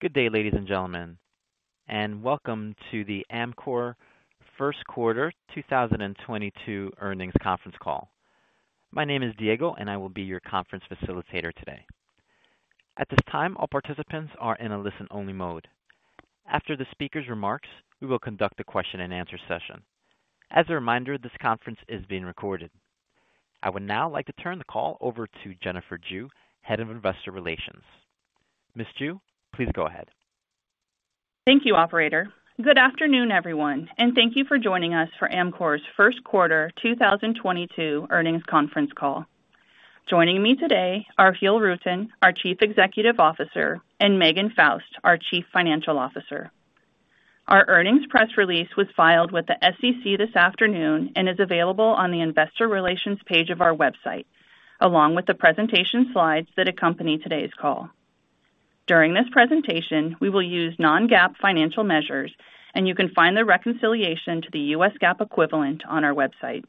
Good day, ladies and gentlemen, and Welcome to the Amkor first quarter 2022 earnings conference call. My name is Diego, and I will be your conference facilitator today. At this time, all participants are in a listen-only mode. After the speaker's remarks, we will conduct a question-and-answer session. As a reminder, this conference is being recorded. I would now like to turn the call over to Jennifer Jue, Head of Investor Relations. Ms. Jue, please go ahead. Thank you, operator. Good afternoon, everyone, and thank you for joining us for Amkor's first quarter 2022 earnings conference call. Joining me today are Giel Rutten, our Chief Executive Officer, and Megan Faust, our Chief Financial Officer. Our earnings press release was filed with the SEC this afternoon and is available on the investor relations page of our website, along with the presentation slides that accompany today's call. During this presentation, we will use non-GAAP financial measures, and you can find the reconciliation to the U.S. GAAP equivalent on our website.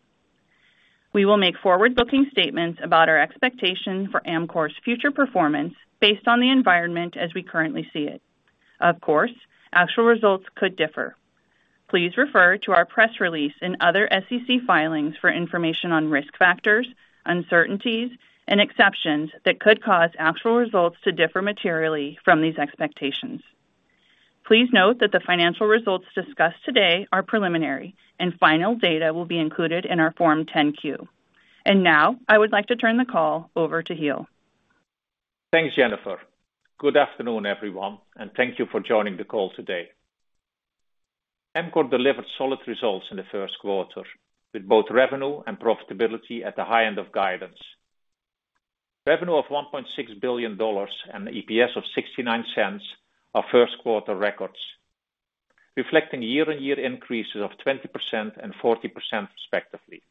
We will make forward-looking statements about our expectation for Amkor's future performance based on the environment as we currently see it. Of course, actual results could differ. Please refer to our press release and other SEC filings for information on risk factors, uncertainties, and exceptions that could cause actual results to differ materially from these expectations. Please note that the financial results discussed today are preliminary, and final data will be included in our Form 10-Q. Now, I would like to turn the call over to Giel. Thanks, Jennifer. Good afternoon, everyone, and thank you for joining the call today. Amkor delivered solid results in the first quarter, with both revenue and profitability at the high end of guidance. Revenue of $1.6 billion and EPS of $0.69 are first quarter records, reflecting year-on-year increases of 20% and 40%, respectively.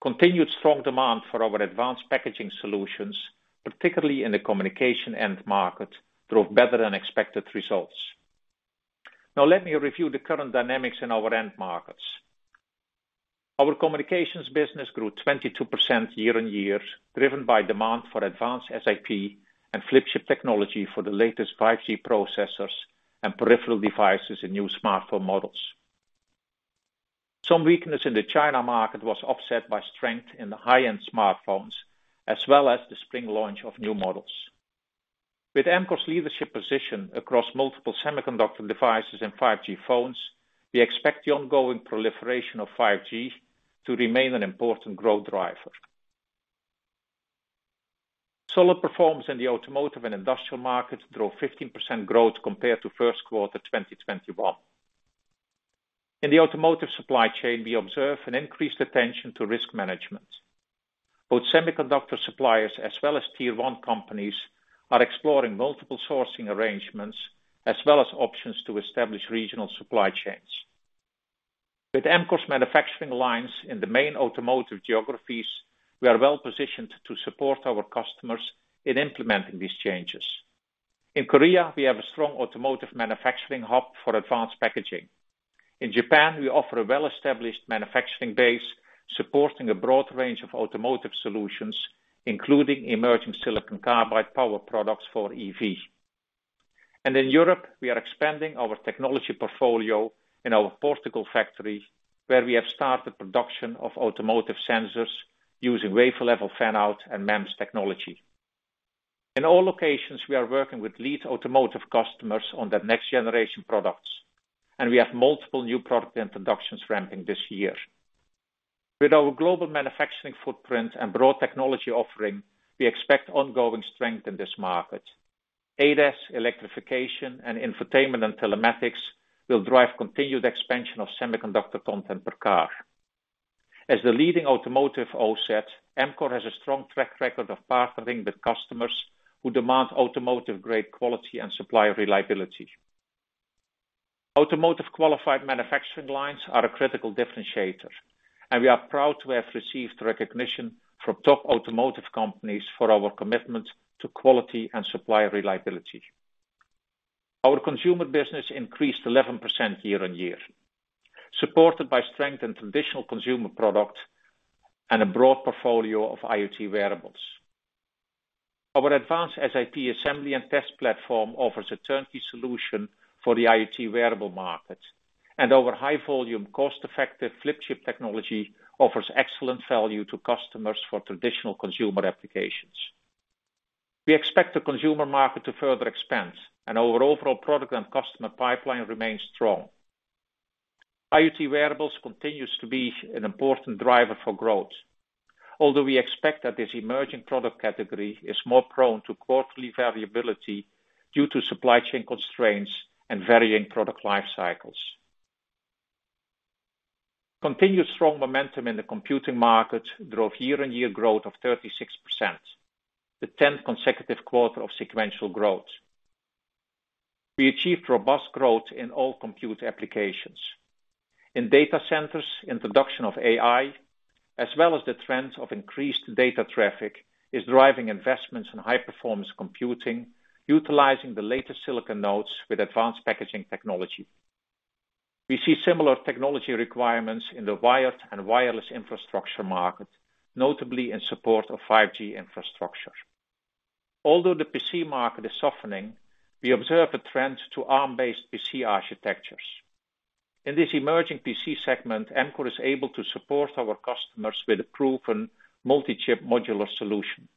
Continued strong demand for our advanced packaging solutions, particularly in the communication end market, drove better-than-expected results. Now, let me review the current dynamics in our end markets. Our communications business grew 22% year-on-year, driven by demand for advanced SiP and flip chip technology for the latest 5G processors and peripheral devices in new smartphone models. Some weakness in the China market was offset by strength in the high-end smartphones, as well as the spring launch of new models. With Amkor's leadership position across multiple semiconductor devices and 5G phones, we expect the ongoing proliferation of 5G to remain an important growth driver. Solid performance in the automotive and industrial markets drove 15% growth compared to first quarter 2021. In the automotive supply chain, we observe an increased attention to risk management. Both semiconductor suppliers as well as tier one companies are exploring multiple sourcing arrangements as well as options to establish regional supply chains. With Amkor's manufacturing lines in the main automotive geographies, we are well-positioned to support our customers in implementing these changes. In Korea, we have a strong automotive manufacturing hub for advanced packaging. In Japan, we offer a well-established manufacturing base supporting a broad range of automotive solutions, including emerging silicon carbide power products for EV. In Europe, we are expanding our technology portfolio in our Portugal factory, where we have started production of automotive sensors using wafer level fan-out and MEMS technology. In all locations, we are working with lead automotive customers on their next-generation products, and we have multiple new product introductions ramping this year. With our global manufacturing footprint and broad technology offering, we expect ongoing strength in this market. ADAS, electrification, and infotainment and telematics will drive continued expansion of semiconductor content per car. As the leading automotive OSAT, Amkor has a strong track record of partnering with customers who demand automotive-grade quality and supply reliability. Automotive qualified manufacturing lines are a critical differentiator, and we are proud to have received recognition from top automotive companies for our commitment to quality and supply reliability. Our consumer business increased 11% year-on-year, supported by strength in traditional consumer product and a broad portfolio of IoT wearables. Our advanced SiP assembly and test platform offers a turnkey solution for the IoT wearable market. Our high volume, cost-effective flip chip technology offers excellent value to customers for traditional consumer applications. We expect the consumer market to further expand, and our overall product and customer pipeline remains strong. IoT wearables continues to be an important driver for growth, although we expect that this emerging product category is more prone to quarterly variability due to supply chain constraints and varying product life cycles. Continued strong momentum in the computing market drove year-on-year growth of 36%, the 10th consecutive quarter of sequential growth. We achieved robust growth in all compute applications. In data centers, introduction of AI, as well as the trend of increased data traffic, is driving investments in high-performance computing, utilizing the latest silicon nodes with advanced packaging technology. We see similar technology requirements in the wired and wireless infrastructure market, notably in support of 5G infrastructure. Although the PC market is softening, we observe a trend to ARM-based PC architectures. In this emerging PC segment, Amkor is able to support our customers with a proven multi-chip modular solution.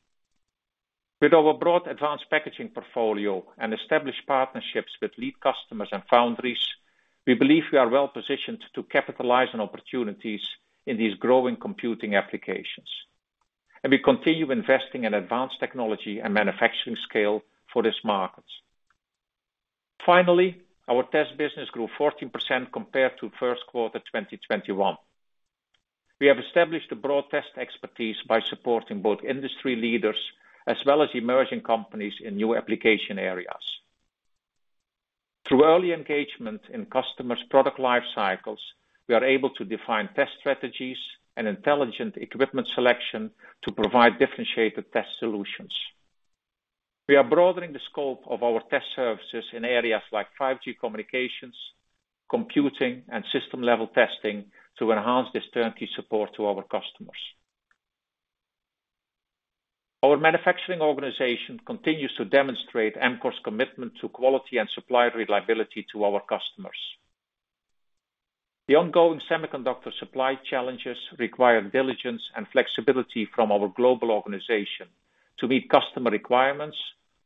With our broad advanced packaging portfolio and established partnerships with lead customers and foundries, we believe we are well-positioned to capitalize on opportunities in these growing computing applications, and we continue investing in advanced technology and manufacturing scale for this market. Finally, our test business grew 14% compared to first quarter 2021. We have established a broad test expertise by supporting both industry leaders as well as emerging companies in new application areas. Through early engagement in customers' product life cycles, we are able to define test strategies and intelligent equipment selection to provide differentiated test solutions. We are broadening the scope of our test services in areas like 5G communications, computing, and system-level testing to enhance this turnkey support to our customers. Our manufacturing organization continues to demonstrate Amkor's commitment to quality and supply reliability to our customers. The ongoing semiconductor supply challenges require diligence and flexibility from our global organization to meet customer requirements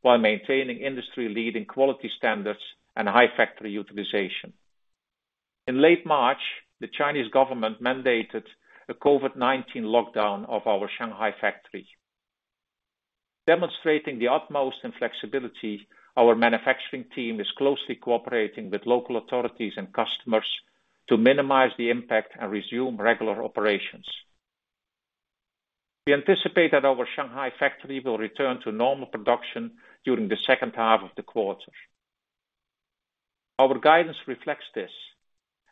while maintaining industry-leading quality standards and high factory utilization. In late March, the Chinese government mandated a COVID-19 lockdown of our Shanghai factory. Demonstrating the utmost in flexibility, our manufacturing team is closely cooperating with local authorities and customers to minimize the impact and resume regular operations. We anticipate that our Shanghai factory will return to normal production during the second half of the quarter. Our guidance reflects this,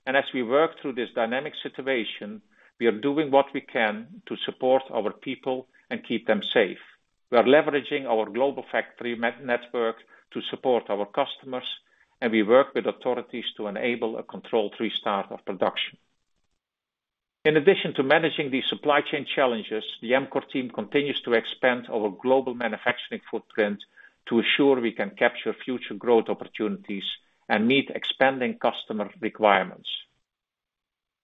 and as we work through this dynamic situation, we are doing what we can to support our people and keep them safe. We are leveraging our global factory network to support our customers, and we work with authorities to enable a controlled restart of production. In addition to managing these supply chain challenges, the Amkor team continues to expand our global manufacturing footprint to ensure we can capture future growth opportunities and meet expanding customer requirements.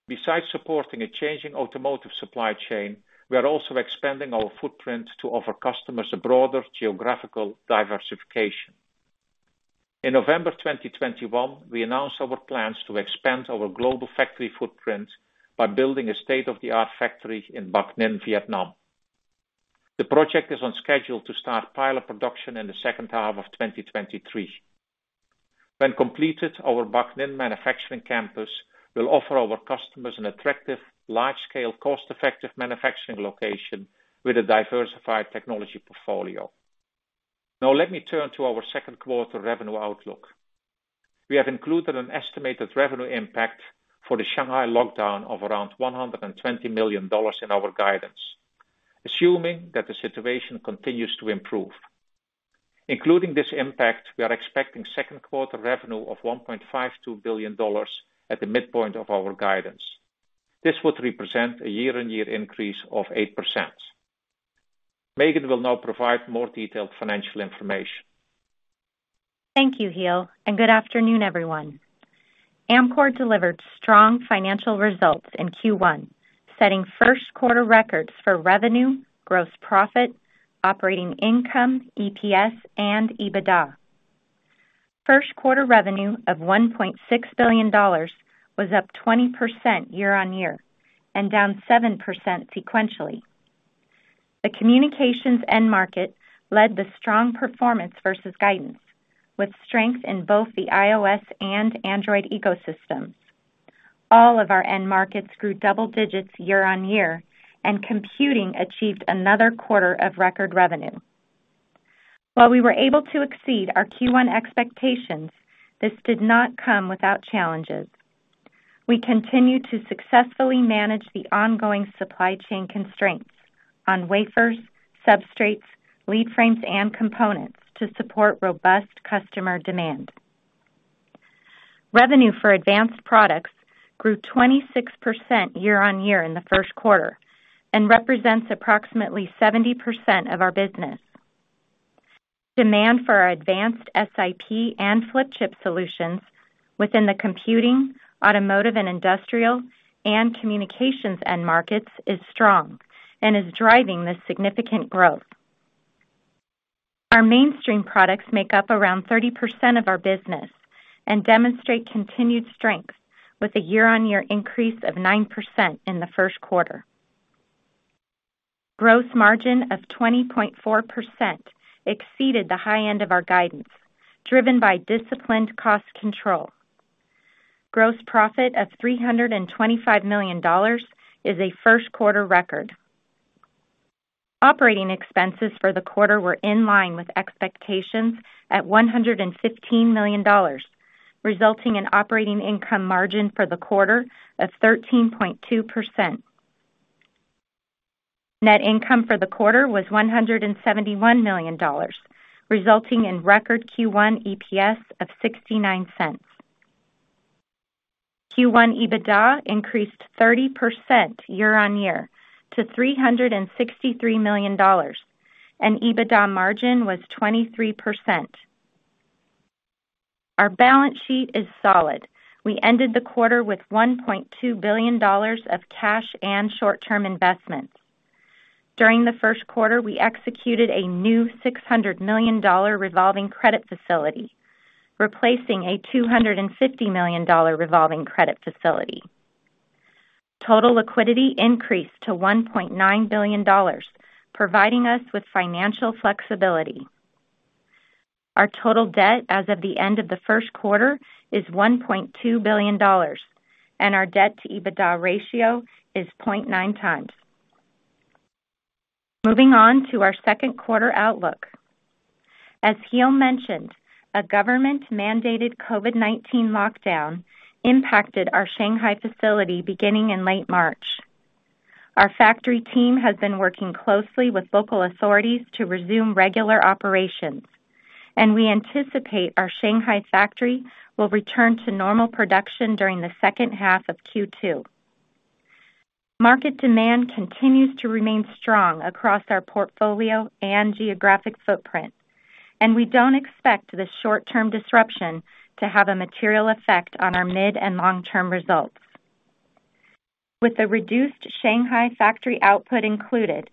Besides supporting a changing automotive supply chain, we are also expanding our footprint to offer customers a broader geographical diversification. In November 2021, we announced our plans to expand our global factory footprint by building a state-of-the-art factory in Bac Ninh, Vietnam. The project is on schedule to start pilot production in the second half of 2023. When completed, our Bac Ninh manufacturing campus will offer our customers an attractive, large-scale, cost-effective manufacturing location with a diversified technology portfolio. Now let me turn to our second quarter revenue outlook. We have included an estimated revenue impact for the Shanghai lockdown of around $120 million in our guidance, assuming that the situation continues to improve. Including this impact, we are expecting second quarter revenue of $1.52 billion at the midpoint of our guidance. This would represent a year-on-year increase of 8%. Megan will now provide more detailed financial information. Thank you, Giel, and good afternoon, everyone. Amkor delivered strong financial results in Q1, setting first quarter records for revenue, gross profit, operating income, EPS, and EBITDA. First quarter revenue of $1.6 billion was up 20% year-on-year and down 7% sequentially. The communications end market led the strong performance versus guidance, with strength in both the iOS and Android ecosystems. All of our end markets grew double digits year-on-year, and computing achieved another quarter of record revenue. While we were able to exceed our Q1 expectations, this did not come without challenges. We continue to successfully manage the ongoing supply chain constraints on wafers, substrates, lead frames, and components to support robust customer demand. Revenue for advanced products grew 26% year-on-year in the first quarter and represents approximately 70% of our business. Demand for our advanced SiP and flip chip solutions within the computing, automotive and industrial, and communications end markets is strong and is driving this significant growth. Our mainstream products make up around 30% of our business and demonstrate continued strength with a year-on-year increase of 9% in the first quarter. Gross margin of 20.4% exceeded the high end of our guidance, driven by disciplined cost control. Gross profit of $325 million is a first quarter record. Operating expenses for the quarter were in line with expectations at $115 million, resulting in operating income margin for the quarter of 13.2%. Net income for the quarter was $171 million, resulting in record Q1 EPS of $0.69. Q1 EBITDA increased 30% year-over-year to $363 million, and EBITDA margin was 23%. Our balance sheet is solid. We ended the quarter with $1.2 billion of cash and short-term investments. During the first quarter, we executed a new $600 million revolving credit facility, replacing a $250 million revolving credit facility. Total liquidity increased to $1.9 billion, providing us with financial flexibility. Our total debt as of the end of the first quarter is $1.2 billion, and our debt-to-EBITDA ratio is 0.9x. Moving on to our second quarter outlook. As Giel mentioned, a government-mandated COVID-19 lockdown impacted our Shanghai facility beginning in late March. Our factory team has been working closely with local authorities to resume regular operations, and we anticipate our Shanghai factory will return to normal production during the second half of Q2. Market demand continues to remain strong across our portfolio and geographic footprint, and we don't expect the short-term disruption to have a material effect on our mid and long-term results. With the reduced Shanghai factory output included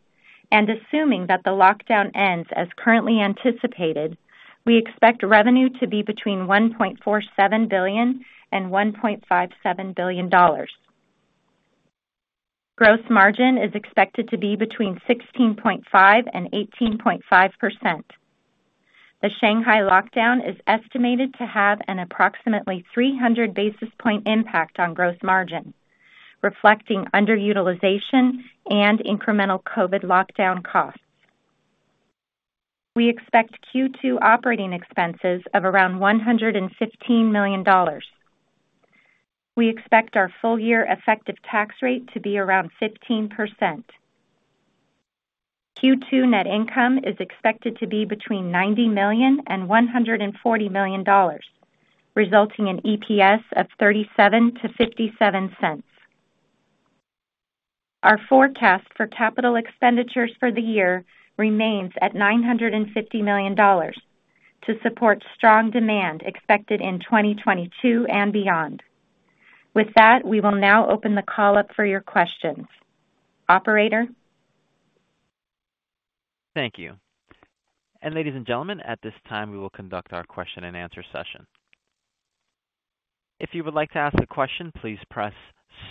and assuming that the lockdown ends as currently anticipated, we expect revenue to be between $1.47 billion and $1.57 billion. Gross margin is expected to be between 16.5% and 18.5%. The Shanghai lockdown is estimated to have an approximately 300 basis point impact on gross margin, reflecting underutilization and incremental COVID lockdown costs. We expect Q2 operating expenses of around $115 million. We expect our full-year effective tax rate to be around 15%. Q2 net income is expected to be between $90 million and $140 million, resulting in EPS of $0.37-$0.57. Our forecast for capital expenditures for the year remains at $950 million to support strong demand expected in 2022 and beyond. With that, we will now open the call up for your questions. Operator? Thank you. Ladies and gentlemen, at this time we will conduct our question-and-answer session. If you would like to ask a question, please press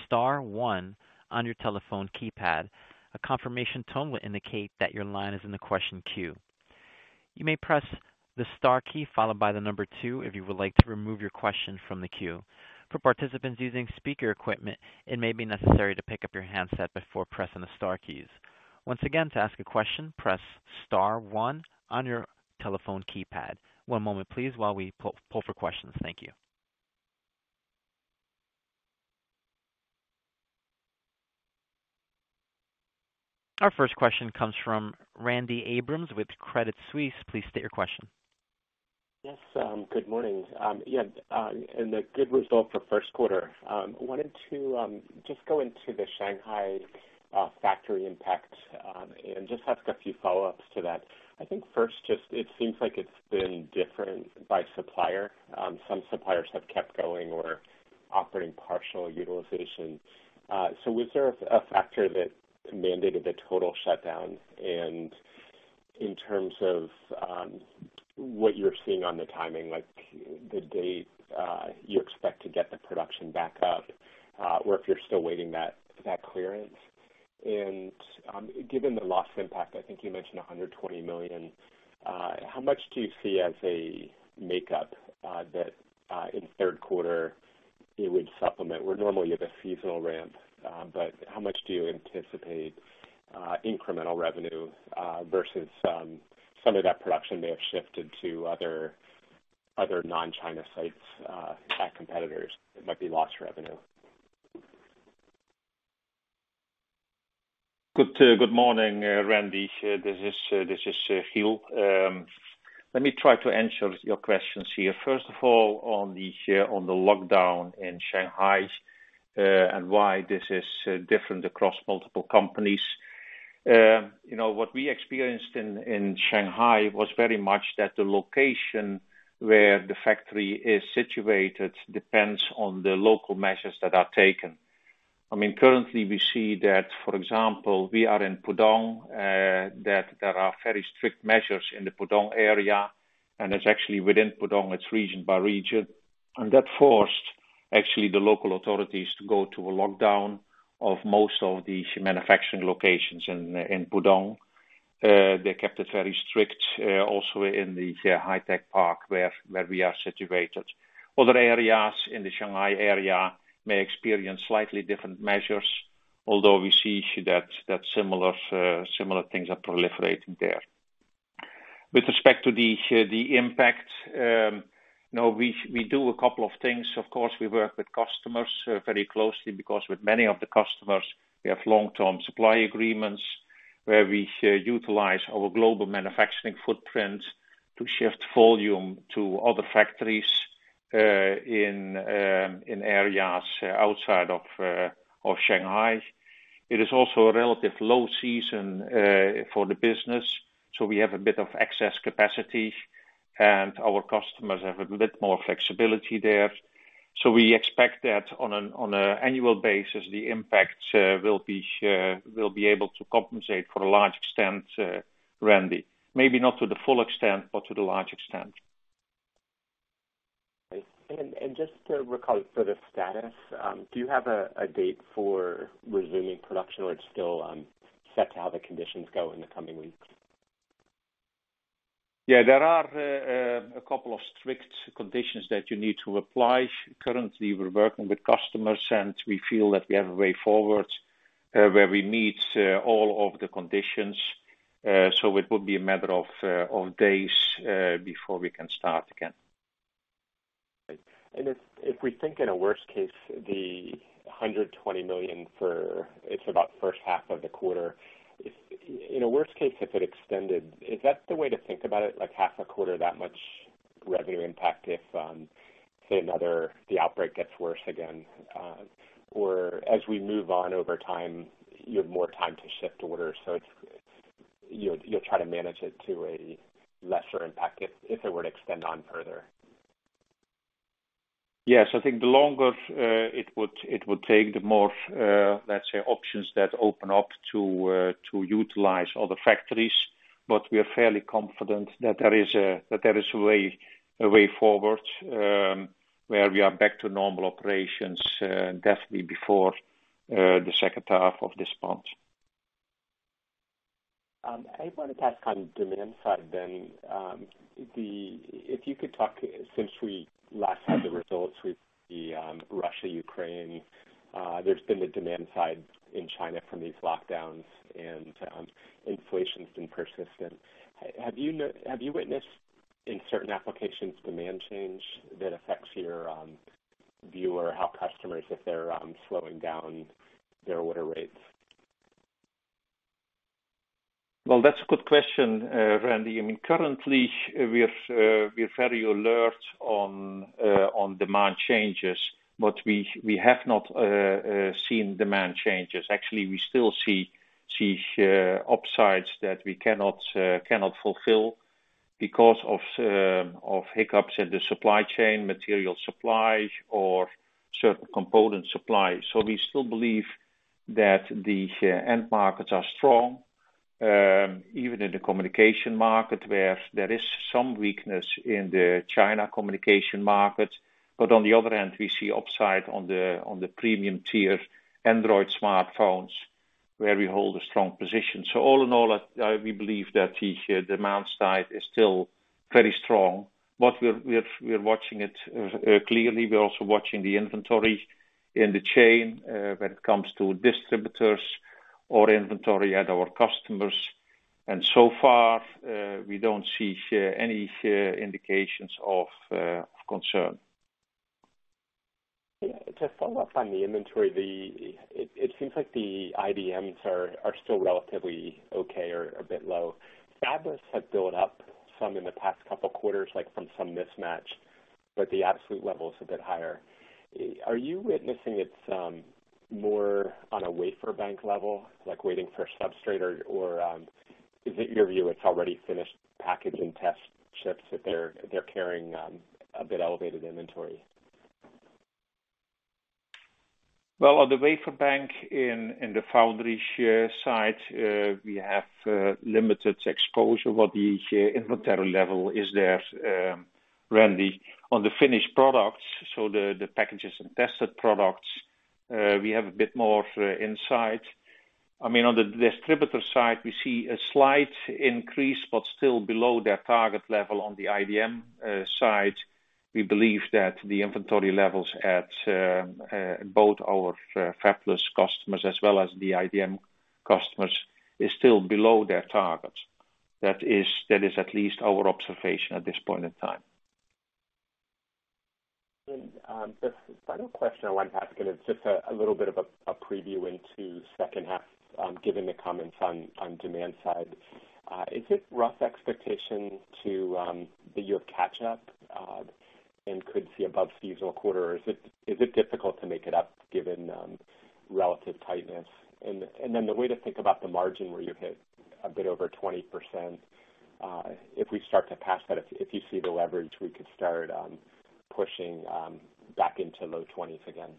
star one on your telephone keypad. A confirmation tone will indicate that your line is in the question queue. You may press the star key followed by the number two if you would like to remove your question from the queue. For participants using speaker equipment, it may be necessary to pick up your handset before pressing the star keys. Once again, to ask a question, press star one on your telephone keypad. One moment please while we poll for questions. Thank you. Our first question comes from Randy Abrams with Credit Suisse. Please state your question. Yes, good morning. Yeah, a good result for first quarter. Wanted to just go into the Shanghai factory impact, and just ask a few follow-ups to that. I think first just it seems like it's been different by supplier. Some suppliers have kept going or operating partial utilization. So was there a factor that mandated the total shutdown? In terms of what you're seeing on the timing, like the date you expect to get the production back up, or if you're still waiting that clearance. Given the loss impact, I think you mentioned $120 million, how much do you see as a make up, that in third quarter it would supplement where normally you have a seasonal ramp, but how much do you anticipate incremental revenue versus some of that production may have shifted to other non-China sites at competitors that might be lost revenue? Good morning, Randy. This is Giel. Let me try to answer your questions here. First of all, on the lockdown in Shanghai, and why this is different across multiple companies. You know, what we experienced in Shanghai was very much that the location where the factory is situated depends on the local measures that are taken. I mean, currently we see that, for example, we are in Pudong, that there are very strict measures in the Pudong area, and it's actually within Pudong, it's region by region. That forced actually the local authorities to go to a lockdown of most of the manufacturing locations in Pudong. They kept it very strict, also in the high-tech park where we are situated. Other areas in the Shanghai area may experience slightly different measures, although we see that similar things are proliferating there. With respect to the impact, we do a couple of things. Of course, we work with customers very closely because with many of the customers, we have long-term supply agreements where we utilize our global manufacturing footprint to shift volume to other factories in areas outside of Shanghai. It is also a relative low season for the business, so we have a bit of excess capacity, and our customers have a bit more flexibility there. We expect that on an annual basis, the impact will be able to compensate for a large extent, Randy. Maybe not to the full extent, but to the large extent. Just to recall for the status, do you have a date for resuming production, or it's still set to how the conditions go in the coming weeks? Yeah, there are a couple of strict conditions that you need to apply. Currently, we're working with customers, and we feel that we have a way forward where we meet all of the conditions. It would be a matter of days before we can start again. If we think in a worst case, the $120 million for it is about first half of the quarter, in a worst case, if it extended, is that the way to think about it, like half a quarter that much revenue impact if, say the outbreak gets worse again? Or as we move on over time, you have more time to shift orders, so it's, you'll try to manage it to a lesser impact if it were to extend on further. Yes. I think the longer it would take, the more, let's say options that open up to utilize other factories. We are fairly confident that there is a way forward where we are back to normal operations, definitely before the second half of this month. I want to ask on demand side then, if you could talk, since we last had the results with the Russia, Ukraine. There's been the demand side in China from these lockdowns and, inflation's been persistent. Have you witnessed, in certain applications, demand change that affects your view or how customers, if they're slowing down their order rates? Well, that's a good question, Randy. I mean, currently we're very alert on demand changes, but we have not seen demand changes. Actually, we still see upsides that we cannot fulfill because of hiccups in the supply chain, material supply or certain component supply. We still believe that the end markets are strong, even in the communication market, where there is some weakness in the China communication market. On the other hand, we see upside on the premium tier Android smartphones, where we hold a strong position. All in all, we believe that the demand side is still very strong, but we're watching it clearly. We're also watching the inventory in the chain, when it comes to distributors or inventory at our customers. So far, we don't see any indications of concern. Yeah. To follow up on the inventory, it seems like the IDMs are still relatively okay or a bit low. Fabless have built up some in the past couple quarters, like from some mismatch, but the absolute level is a bit higher. Are you witnessing it more on a wafer bank level, like waiting for substrate? Or is it your view it's already finished packaging test chips that they're carrying a bit elevated inventory? Well, on the wafer bank in the foundry side, we have limited exposure, but the inventory level is there, Randy. On the finished products, the packages and tested products, we have a bit more insight. I mean, on the distributor side, we see a slight increase, but still below their target level on the IDM side. We believe that the inventory levels at both our fabless customers as well as the IDM customers is still below their targets. That is at least our observation at this point in time. The final question I wanted to ask, and it's just a little bit of a preview into second half, given the comments on the demand side. Is it a rough expectation that you'll catch up and could see above seasonal quarter? Or is it difficult to make it up given relative tightness? Then the way to think about the margin, where you hit a bit over 20%, if we start to pass that, if you see the leverage, we could start pushing back into low 20s again.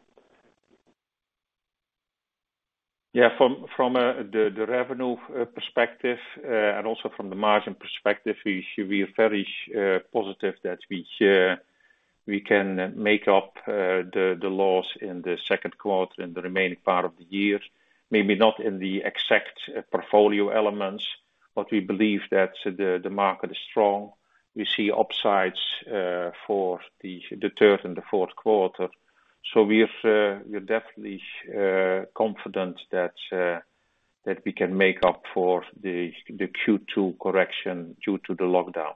Yeah. From the revenue perspective and also from the margin perspective, we are very positive that we can make up the loss in the second quarter in the remaining part of the year. Maybe not in the exact portfolio elements, but we believe that the market is strong. We see upsides for the third and the fourth quarter. We're definitely confident that we can make up for the Q2 correction due to the lockdown.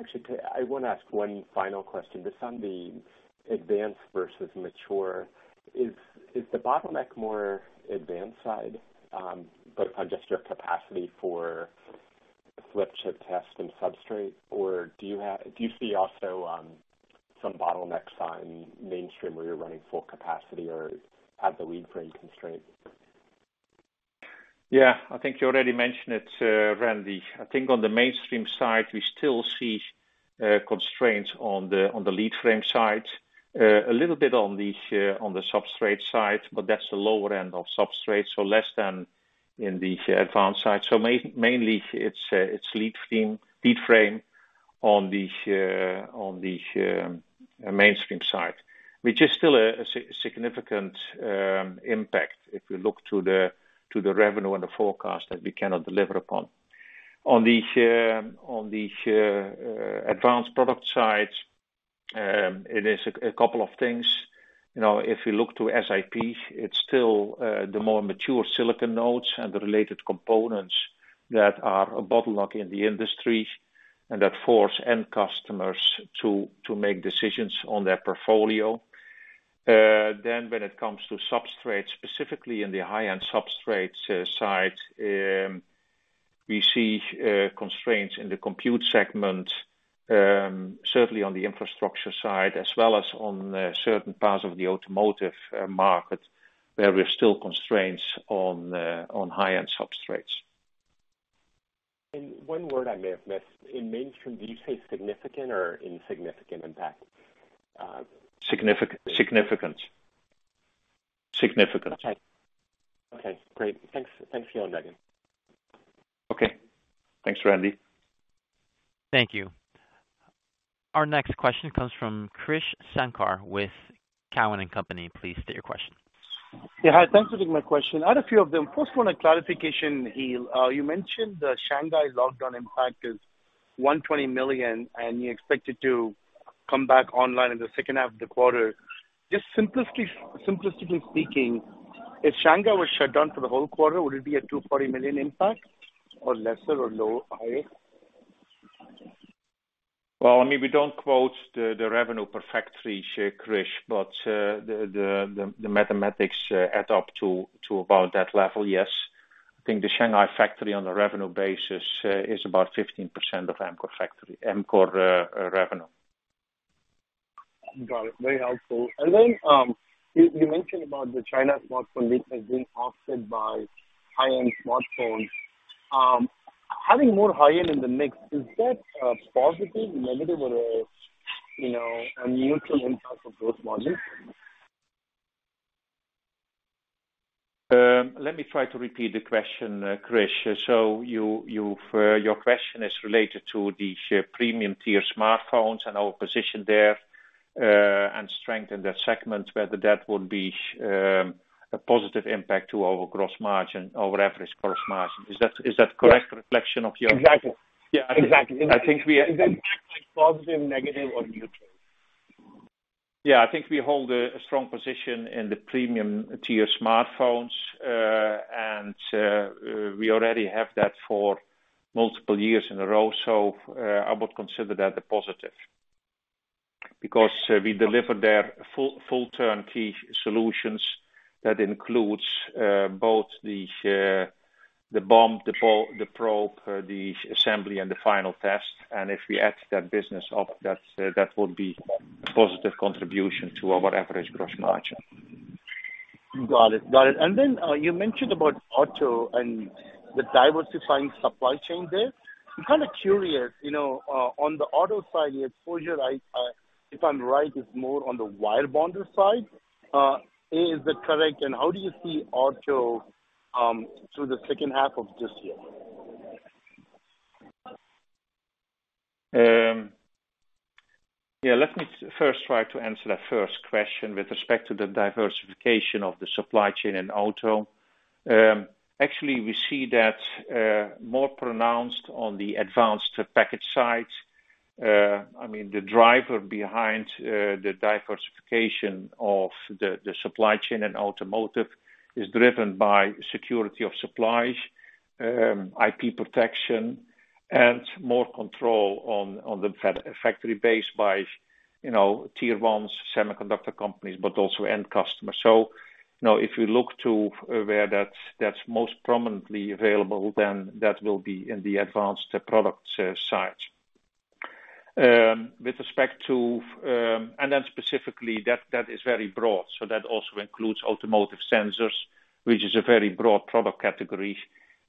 Actually, I want to ask one final question. Just on the advanced versus mature, is the bottleneck more advanced side, based on just your capacity for flip chip test and substrate? Or do you see also some bottlenecks on mainstream where you're running full capacity or at the lead frame constraint? Yeah, I think you already mentioned it, Randy. I think on the mainstream side, we still see constraints on the lead frame side, a little bit on the substrate side, but that's the lower end of substrate, so less than in the advanced side. Mainly it's lead frame on the mainstream side, which is still a significant impact if we look to the revenue and the forecast that we cannot deliver upon. On the advanced product side, it is a couple of things. You know, if you look to SiP, it's still the more mature silicon nodes and the related components that are a bottleneck in the industry and that force end customers to make decisions on their portfolio. When it comes to substrates, specifically in the high-end substrates side, we see constraints in the compute segment, certainly on the infrastructure side as well as on certain parts of the automotive market, where we're still constraints on high-end substrates. One word I may have missed. In mainstream, did you say significant or insignificant impact? Significant. Okay, great. Thanks, Giel and Megan. Okay. Thanks, Randy. Thank you. Our next question comes from Krish Sankar with Cowen and Company. Please state your question. Yeah, hi. Thanks for taking my question. I had a few of them. First one, a clarification, Giel. You mentioned the Shanghai lockdown impact is $120 million, and you expect it to come back online in the second half of the quarter. Just simplistically speaking, if Shanghai was shut down for the whole quarter, would it be a $240 million impact or lesser or lower, higher? Well, I mean, we don't quote the revenue per factory, Krish, but the mathematics add up to about that level, yes. I think the Shanghai factory on a revenue basis is about 15% of Amkor revenue. Got it. Very helpful. Then, you mentioned about the China smartphone business being offset by high-end smartphones. Having more high-end in the mix, is that a positive, negative or, you know, a neutral impact on gross margin? Let me try to repeat the question, Krish. So your question is related to the premium tier smartphones and our position there, and strength in that segment, whether that would be a positive impact to our gross margin, our average gross margin. Is that correct reflection of your- Exactly. Yeah. Exactly. I think we. Is that positive, negative or neutral? Yeah, I think we hold a strong position in the premium tier smartphones, and we already have that for multiple years in a row. I would consider that a positive because we deliver there full turnkey solutions that includes both the BOM, the probe, the assembly and the final test. If we add that business up, that would be a positive contribution to our average gross margin. Got it. You mentioned about auto and the diversifying supply chain there. I'm kind of curious, you know, on the auto side, your exposure, if I'm right, is more on the wire-bonded side. Is that correct? How do you see auto through the second half of this year? Yeah, let me first try to answer that first question with respect to the diversification of the supply chain in auto. Actually, we see that more pronounced on the advanced package side. I mean, the driver behind the diversification of the supply chain in automotive is driven by security of supplies, IP protection, and more control on the factory base by, you know, tier one semiconductor companies, but also end customers. You know, if you look to where that's most prominently available, then that will be in the advanced products side. With respect to specifically that is very broad. That also includes automotive sensors, which is a very broad product category.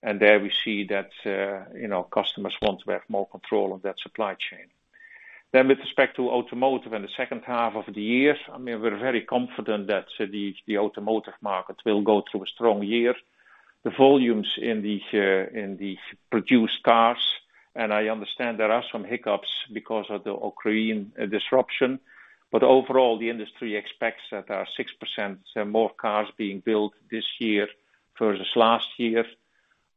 There we see that, you know, customers want to have more control of that supply chain. With respect to automotive in the second half of the year, I mean, we're very confident that the automotive market will go through a strong year. The volumes in the produced cars, and I understand there are some hiccups because of the Ukraine disruption. Overall, the industry expects that there are 6% more cars being built this year versus last year.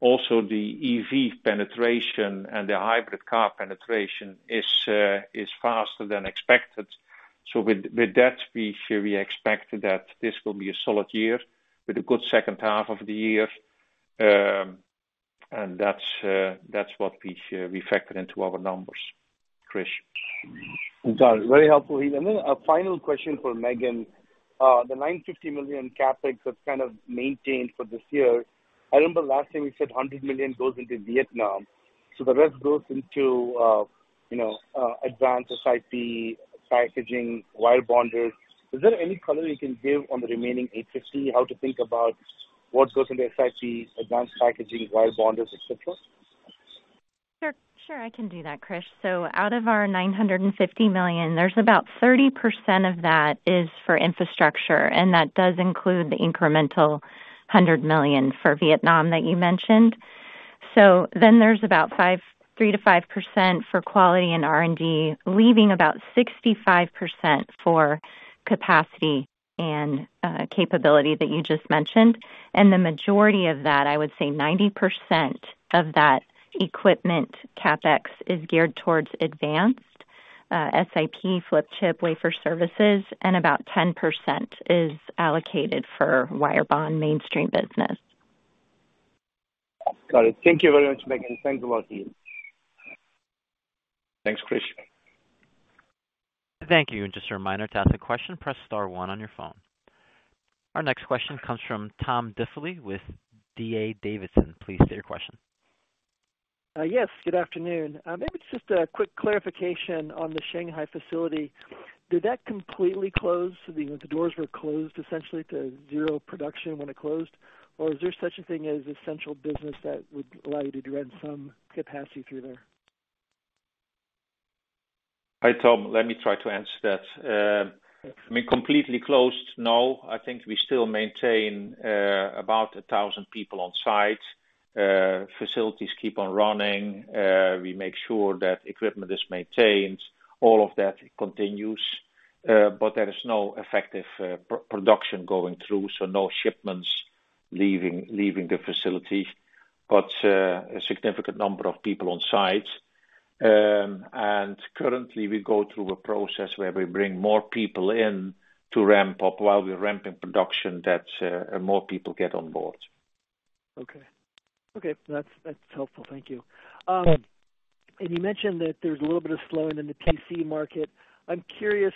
Also EV penetration and the hybrid car penetration is faster than expected. With that, we expect that this will be a solid year with a good second half of the year. That's what we factored into our numbers. Krish. Got it. Very helpful. A final question for Megan. The $950 million CapEx was kind of maintained for this year. I remember last time you said $100 million goes into Vietnam, so the rest goes into, you know, advanced SIP packaging, wire bonders. Is there any color you can give on the remaining $850, how to think about what goes into SIP, advanced packaging, wire bonders, et cetera? Sure, I can do that, Krish. Out of our $950 million, there's about 30% of that is for infrastructure, and that does include the incremental $100 million for Vietnam that you mentioned. There's about 3%-5% for quality and R&D, leaving about 65% for capacity and capability that you just mentioned. The majority of that, I would say 90% of that equipment CapEx is geared towards advanced SiP flip chip wafer services, and about 10% is allocated for wire bond mainstream business. Got it. Thank you very much, Megan. Thanks a lot to you. Thanks, Krish. Thank you. Just a reminder, to ask a question, press star one on your phone. Our next question comes from Tom Diffley with D.A. Davidson. Please state your question. Yes, good afternoon. Maybe it's just a quick clarification on the Shanghai facility. Did that completely close? Do you know if the doors were closed essentially to zero production when it closed? Or is there such a thing as essential business that would allow you to run some capacity through there? Hi, Tom. Let me try to answer that. I mean, completely closed, no. I think we still maintain about 1,000 people on site. Facilities keep on running. We make sure that equipment is maintained. All of that continues. But there is no effective production going through, so no shipments leaving the facility. A significant number of people on site. Currently, we go through a process where we bring more people in to ramp up. While we're ramping production, that more people get on board. Okay, that's helpful. Thank you. You mentioned that there's a little bit of slowing in the PC market. I'm curious,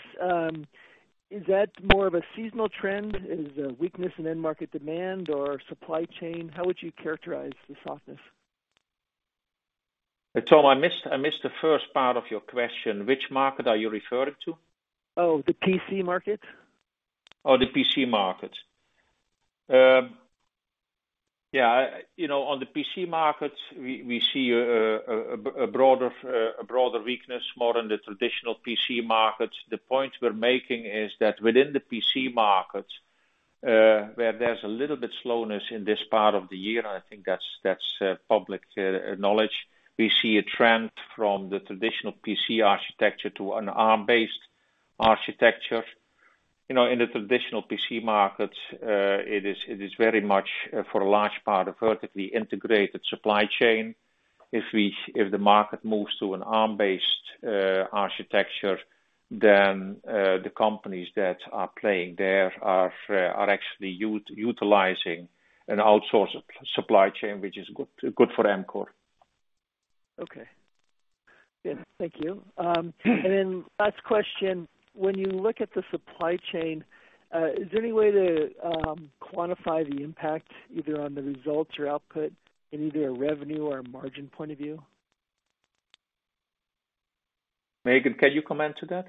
is that more of a seasonal trend? Is it a weakness in end market demand or supply chain? How would you characterize the softness? Tom, I missed the first part of your question. Which market are you referring to? Oh, the PC market. Oh, the PC market. Yeah, you know, on the PC market, we see a broader weakness more in the traditional PC markets. The point we're making is that within the PC market, where there's a little bit slowness in this part of the year, and I think that's public knowledge. We see a trend from the traditional PC architecture to an Arm-based architecture. You know, in the traditional PC markets, it is very much, for a large part, a vertically integrated supply chain. If the market moves to an Arm-based architecture, then the companies that are playing there are actually utilizing an outsourced supply chain, which is good for Amkor. Okay. Yeah, thank you. Last question. When you look at the supply chain, is there any way to quantify the impact, either on the results or output in either a revenue or a margin point of view? Megan, can you comment on that?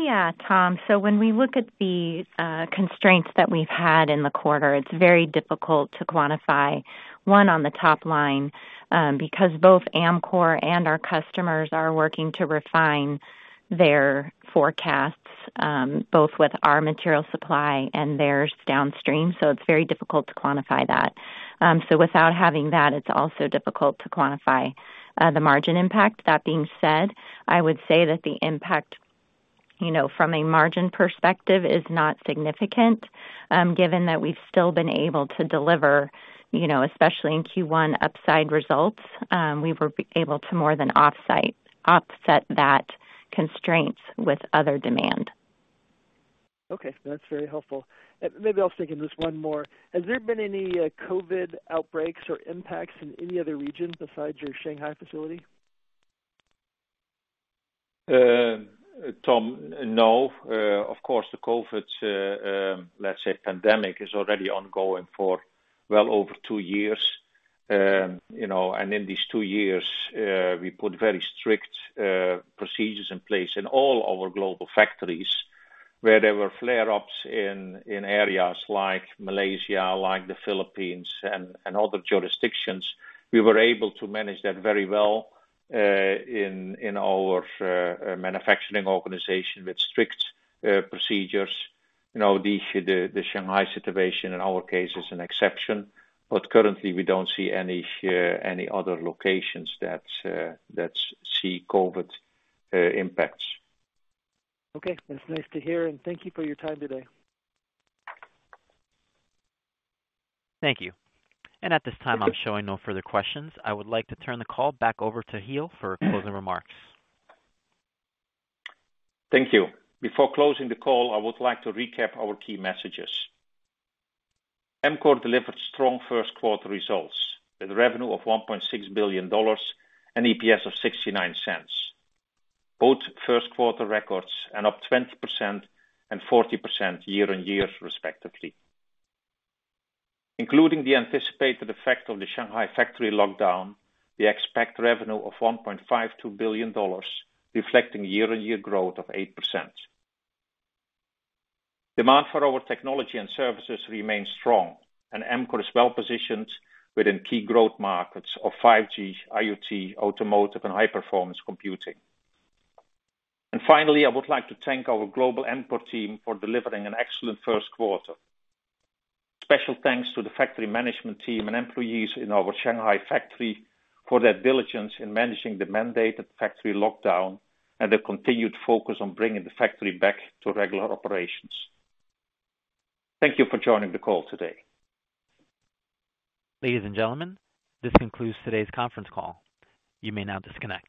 Yeah, Tom. When we look at the constraints that we've had in the quarter, it's very difficult to quantify, one, on the top line, because both Amkor and our customers are working to refine their forecasts, both with our material supply and theirs downstream, so it's very difficult to quantify that. Without having that, it's also difficult to quantify the margin impact. That being said, I would say that the impact, you know, from a margin perspective is not significant, given that we've still been able to deliver, you know, especially in Q1 upside results, we were able to more than offset that constraints with other demand. Okay, that's very helpful. Maybe I'll sneak in just one more. Has there been any COVID outbreaks or impacts in any other region besides your Shanghai facility? Tom, no. Of course, the COVID, let's say pandemic, is already ongoing for well over two years. You know, in these two years, we put very strict procedures in place in all our global factories. Where there were flare-ups in areas like Malaysia, like the Philippines and other jurisdictions, we were able to manage that very well in our manufacturing organization with strict procedures. You know, the Shanghai situation in our case is an exception, but currently we don't see any other locations that see COVID impacts. Okay. That's nice to hear, and thank you for your time today. Thank you. At this time, I'm showing no further questions. I would like to turn the call back over to Giel for closing remarks. Thank you. Before closing the call, I would like to recap our key messages. Amkor delivered strong first quarter results with revenue of $1.6 billion and EPS of $0.69, both first quarter records and up 20% and 40% year-on-year, respectively. Including the anticipated effect of the Shanghai factory lockdown, we expect revenue of $1.52 billion, reflecting year-on-year growth of 8%. Demand for our technology and services remains strong, and Amkor is well positioned within key growth markets of 5G, IoT, automotive, and High-Performance Computing. Finally, I would like to thank our global Amkor team for delivering an excellent first quarter. Special thanks to the factory management team and employees in our Shanghai factory for their diligence in managing the mandated factory lockdown and their continued focus on bringing the factory back to regular operations. Thank you for joining the call today. Ladies and gentlemen, this concludes today's conference call. You may now disconnect.